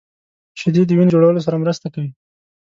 شیدې د وینې جوړولو سره مرسته کوي